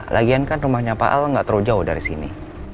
lagian kan rumahnya pak al nggak terlalu jauh dari sini